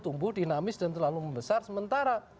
tumbuh dinamis dan terlalu membesar sementara